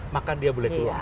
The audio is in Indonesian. maka dia boleh keluar